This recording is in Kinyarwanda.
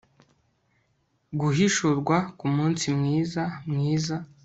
guhishurwa kumunsi mwiza mwiza